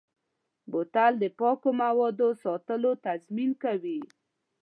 بوتل د پاکو موادو ساتلو تضمین کوي.